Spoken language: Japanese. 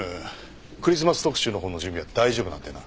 クリスマス特集の方の準備は大丈夫なんだよな？